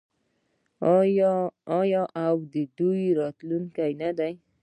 آیا او د دوی راتلونکی نه دی؟